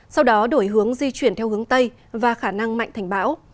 sau đó đổi hướng di chuyển theo hướng tây và khả năng mạnh thành bão